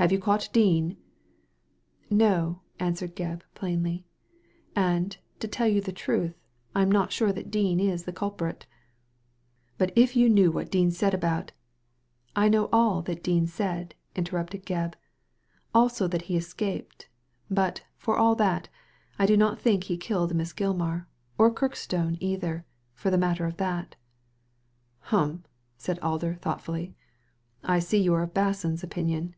Have you caught Dean ?" "No," answered Gebb, plainly; "and, to tell you the truth, I am not sure that Dean is the culprit" "But if you knew what Dean said about "^ I know all that Dean said," interrupted Gebb, "also that he escaped; but, for all that, I do not think he killed Miss Gilmar — or Kirkstone either, for the matter of that" "Hum I" said Alder, thoughtfully. •• I see you are of Basson's opinion."